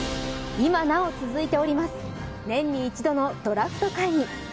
今なお続いております年に一度のドラフト会議。